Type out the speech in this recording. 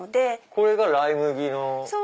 これがライ麦の？